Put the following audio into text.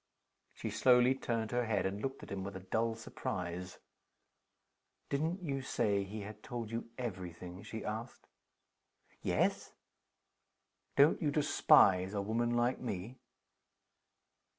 She slowly turned her head, and looked at him with a dull surprise. "Didn't you say he had told you every thing?" she asked. "Yes." "Don't you despise a woman like me?"